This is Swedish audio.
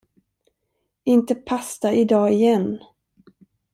Inte pasta idag igen!